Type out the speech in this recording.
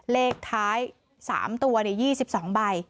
เลขท้าย๓ตัว๒๒ใบ